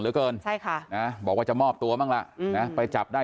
เกินใช่ค่ะนะบอกว่าจะมอบตัวบ้างล่ะนะไปจับได้